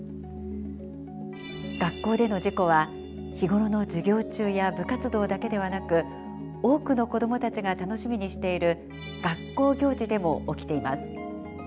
学校での事故は日頃の授業中や部活動だけではなく多くの子どもたちが楽しみにしている学校行事でも起きています。